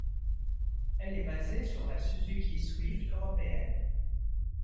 Elle est basée sur la Suzuki Swift européenne.